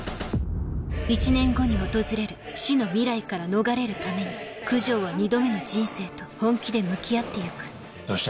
１年後に訪れる死の未来から逃れるために九条は２度目の人生と本気で向き合っていくどうした？